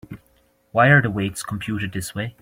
Why are the weights computed this way?